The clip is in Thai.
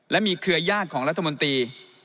และมีเครือญาติของรัฐมนตรี